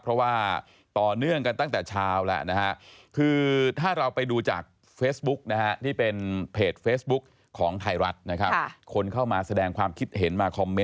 เพราะว่าต่อเนื่องกันตั้งแต่เช้าแล้วนะฮะคือถ้าเราไปดูจากเฟสบุ๊กนะฮะที่เป็นเพจเฟสบุ๊กของไทยรัฐนะครับ